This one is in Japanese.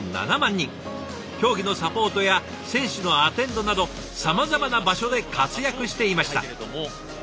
競技のサポートや選手のアテンドなどさまざまな場所で活躍していました。